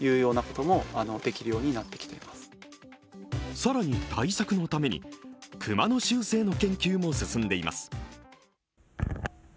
更に、対策のために熊の習性の研究も進んでいます。